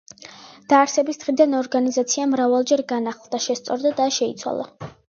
დაარსების დღიდან, ორგანიზაცია მრავალჯერ განახლდა, შესწორდა და შეიცვალა.